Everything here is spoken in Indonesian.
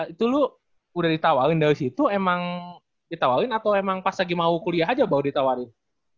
itu lu udah ditawarin dari situ emang ditawarin atau emang pas lagi mau kuliah aja baru ditawarin